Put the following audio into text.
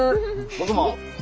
僕も。